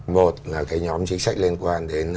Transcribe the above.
một là cái nhóm chính sách liên quan đến